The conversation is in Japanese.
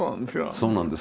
そうなんです。